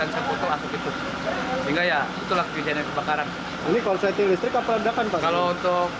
soalnya toilet ini di area stasiun